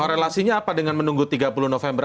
korelasinya apa dengan menunggu tiga puluh november